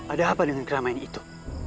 ada apa dengan keramaian itu